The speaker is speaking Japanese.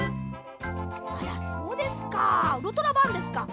あらそうですかウルトラバンですか。